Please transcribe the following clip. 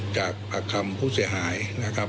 จากปากคำผู้เสียหายนะครับ